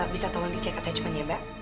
bisa tolong dicek attachment ya mbak